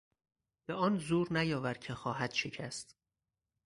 به آن زور نیاور که خواهد شکست.